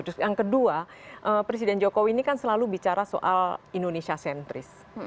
terus yang kedua presiden jokowi ini kan selalu bicara soal indonesia sentris